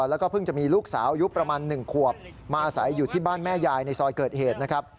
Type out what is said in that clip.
แล้วก็เพิ่งจะมีลูกสาวอายุประมาณ๑ขวบมาอาศัยอยู่ที่บ้านแม่ยายในซอยเกิดเหตุนะครับ